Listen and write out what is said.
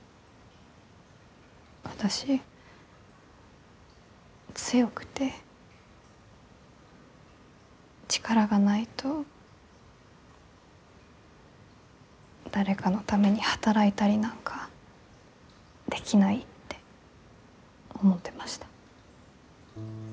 私強くて力がないと誰かのために働いたりなんかできないって思ってました。